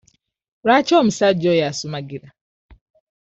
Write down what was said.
Lwaki omusajja oyo asumagira?